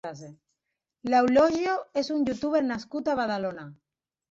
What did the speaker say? Loulogio és un youtuber nascut a Badalona.